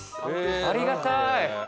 ありがたい！